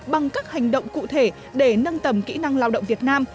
bằng các hành động cụ thể để nâng tầm kỹ năng lao động việt nam